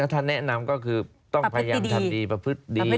ถ้าแนะนำก็คือต้องพยายามทำดีประพฤติดี